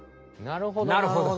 なるほど。